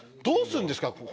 どうするんですか？